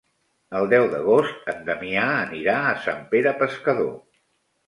El deu d'agost en Damià anirà a Sant Pere Pescador.